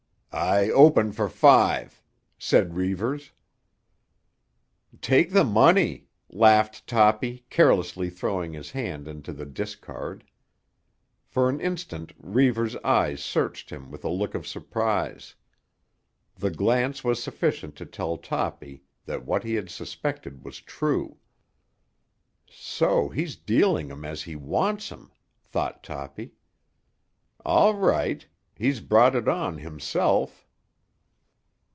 "I open for five," said Reivers. "Take the money," laughed Toppy carelessly throwing his hand into the discard. For an instant Reivers' eyes searched him with a look of surprise. The glance was sufficient to tell Toppy that what he had suspected was true. "So he's dealing 'em as he wants 'em!" thought Toppy. "All right. He's brought it on himself."